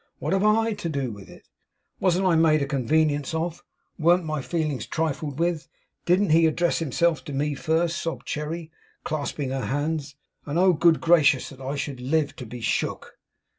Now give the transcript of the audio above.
What have I to do with it?' 'Wasn't I made a convenience of? Weren't my feelings trifled with? Didn't he address himself to me first?' sobbed Cherry, clasping her hands; 'and oh, good gracious, that I should live to be shook!